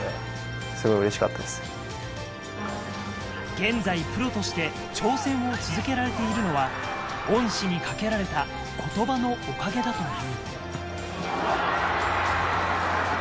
現在プロとして挑戦を続けられているのは、恩師にかけられた言葉のおかげだという。